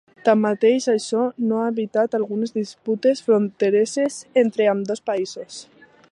Tanmateix, això no ha evitat algunes disputes frontereres entre ambdós països.